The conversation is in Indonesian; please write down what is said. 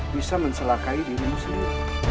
bisa menselakai dirimu sendiri